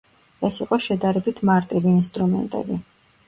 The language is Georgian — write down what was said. ეს იყო შედარებით მარტივი ინსტრუმენტები.